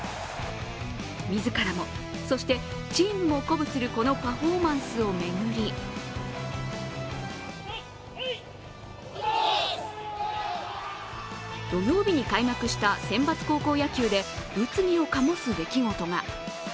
自らも、そしてチームも鼓舞するこのパフォーマンスを巡り土曜日に開幕した選抜高校野球で物議を醸す出来事が。